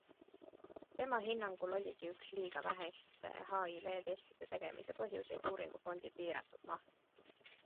Tema hinnangul oligi üks liiga väheste HIV-testide tegemise põhjuseid uuringufondi piiratud maht.